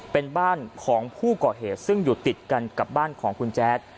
เป็นบ้านของผู้ก่อเหตุซึ่งอยู่ติดกันกับบ้านของคุณแจ๊ด